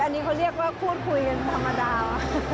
อันนี้เขาเรียกว่าพูดคุยกันธรรมดา